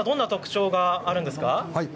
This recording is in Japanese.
この小松菜、どんな特徴があるんですか。